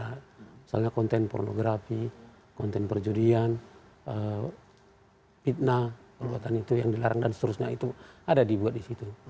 misalnya konten pornografi konten perjudian fitnah perbuatan itu yang dilarang dan seterusnya itu ada dibuat di situ